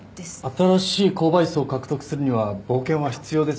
新しい購買層を獲得するには冒険は必要ですよ。